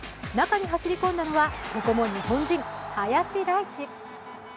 中に走り込んだのはここも日本人、林大地。